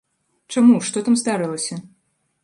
Чаму, што там здарылася?